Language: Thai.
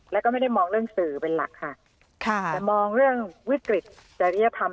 แล้วก็ไม่ได้มองเรื่องสื่อเป็นหลักค่ะแต่มองเรื่องวิกฤตจริยธรรม